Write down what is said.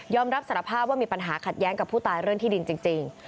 รับสารภาพว่ามีปัญหาขัดแย้งกับผู้ตายเรื่องที่ดินจริง